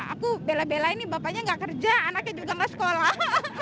aku bela bela ini bapaknya gak kerja anaknya juga nggak sekolah